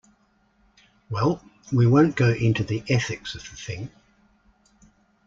Well, we won't go into the ethics of the thing.